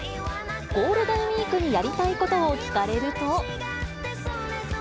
ゴールデンウィークにやりたいことを聞かれると。